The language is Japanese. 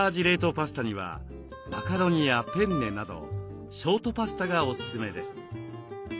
パスタにはマカロニやペンネなどショートパスタがおすすめです。